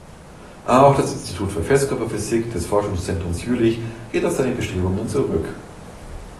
Auch das Institut für Festkörperphysik des Forschungszentrum Jülich geht auf seine Bestrebungen zurück.